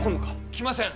来ません。